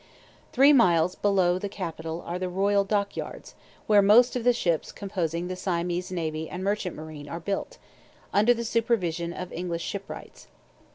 Three miles below the capital are the royal dock yards, where most of the ships composing the Siamese navy and merchant marine are built, under the supervision of English shipwrights.